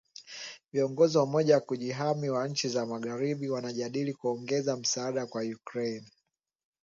Viongozi wa Umoja wa Kujihami wa Nchi za Magharibi wanajadili kuongeza msaada kwa Ukraine .